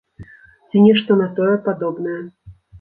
Ці нешта на тое падобнае.